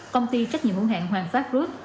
công ty trách nhiệm hữu hạn hoàng pháp vượt